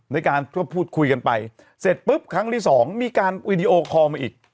ในการพูดคุยกันไปเสร็จปุ๊บครั้งที่สองมีการวีดีโอคอลมาอีก